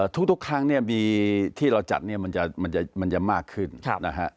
ทุกครั้งเนี่ยบีที่เราจัดเนี่ยมันจะมากขึ้นนะฮะ